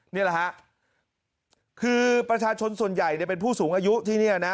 นี่แหละฮะคือประชาชนส่วนใหญ่เป็นผู้สูงอายุที่นี่นะ